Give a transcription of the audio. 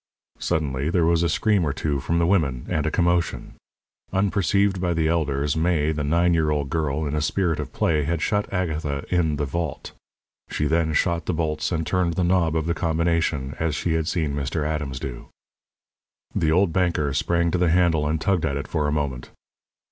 Suddenly there was a scream or two from the women, and a commotion. Unperceived by the elders, May, the nine year old girl, in a spirit of play, had shut Agatha in the vault. She had then shot the bolts and turned the knob of the combination as she had seen Mr. Adams do. The old banker sprang to the handle and tugged at it for a moment.